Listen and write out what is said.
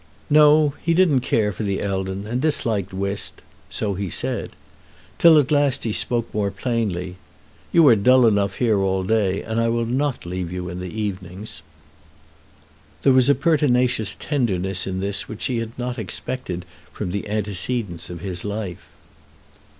No; he didn't care for the Eldon, and disliked whist. So he said. Till at last he spoke more plainly. "You are dull enough here all day, and I will not leave you in the evenings." There was a pertinacious tenderness in this which she had not expected from the antecedents of his life.